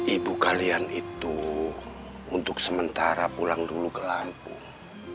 ibu kalian itu untuk sementara pulang dulu ke lampung